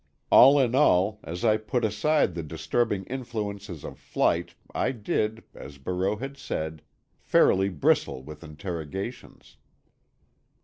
All in all, as I put aside the disturbing influences of flight I did, as Barreau had said, fairly bristle with interrogations.